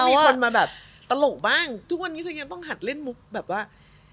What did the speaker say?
มีคนมาแบบตลกบ้างทุกวันนี้ฉันยังต้องหัดเล่นมุกแบบว่า